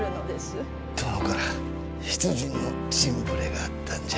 殿から出陣の陣触れがあったんじゃ。